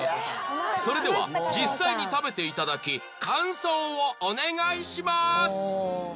それでは実際に食べていただき感想をお願いしまーす！